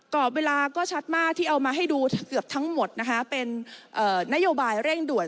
กรอบเวลาก็ชัดมากที่เอามาให้ดูเกือบทั้งหมดนะคะเป็นนโยบายเร่งด่วน